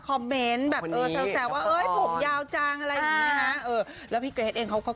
แสวว่าโอ๊ยภูมิยาวจังอะไรนะฮะเออแล้วพี่เกรทเองเขาก็